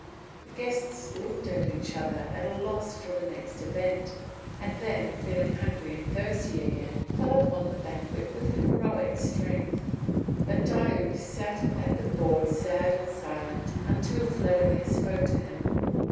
The guests looked at each other at a loss for the next event, and then feeling hungry and thirsty again fell upon the banquet with heroic strength. But Diuk sat at the board sad and silent until Vladimir spoke to him.